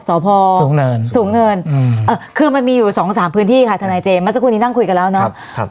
สอพอสูงเนินสูงเนินอืมเอ่อคือมันมีอยู่สองสามพื้นที่ค่ะทนาเจมส์มาสักครู่นี้นั่งคุยกันแล้วเนอะครับครับ